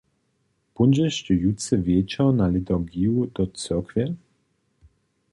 Póndźeš ty jutře wječor na liturgiju do cyrkwje?